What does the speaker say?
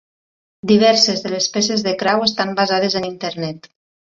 Diverses de les peces de Crowe estan basades en internet.